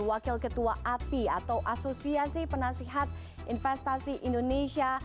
wakil ketua api atau asosiasi penasihat investasi indonesia